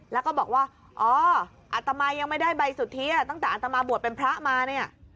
แล้วก็บอกว่าอ๋ออัตมายังไม่ได้ใบสุทธิตั้งแต่อัตมาบวชเป็นพระมาเนี่ย